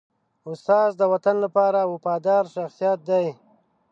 استاد د وطن لپاره وفادار شخصیت دی.